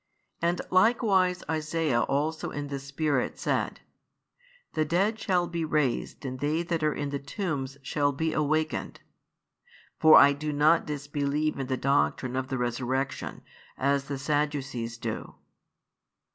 And likewise Isaiah also in the Spirit said: The dead shall be raised and they that are in the tombs shall |118 be awakened. For I do not disbelieve in the doctrine of the resurrection, as the Sadducees do."